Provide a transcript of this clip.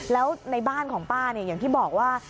แล้วในบ้านของป้าเนี่ยอย่างที่บอกว่า